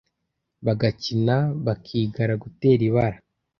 Bagakina bakigana gutera ibara